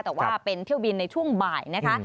แต่ว่าเป็นเที่ยวบินในช่วงบ่ายนะคะ